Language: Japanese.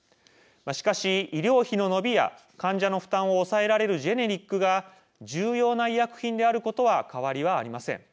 しかし、医療費の伸びや患者の負担を抑えられるジェネリックが重要な医薬品であることは変わりはありません。